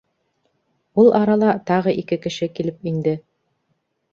Ул арала тағы ике кеше килеп инде.